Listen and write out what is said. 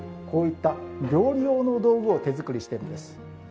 こういった料理用の道具を手作りしてるんです。